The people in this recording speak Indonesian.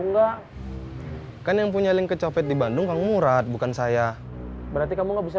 enggak kan yang punya link ke copet di bandung kang murad bukan saya berarti kamu nggak bisa